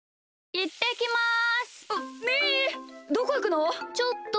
いってきます。